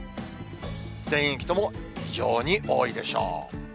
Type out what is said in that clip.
全域とも非常に多いでしょう。